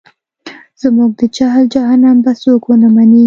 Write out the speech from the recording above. زموږ د جهل جهنم به څوک ونه مني.